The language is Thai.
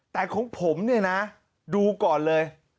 แต่ของผมเนี่ยนะดูก่อนเลย